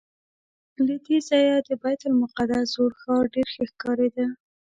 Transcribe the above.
له دې ځایه د بیت المقدس زوړ ښار ډېر ښه ښکارېده.